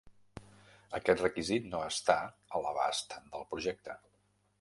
Aquest requisit no està a l'abast del projecte.